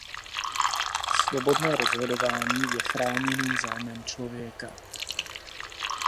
Svobodné rozhodování je chráněným zájmem člověka.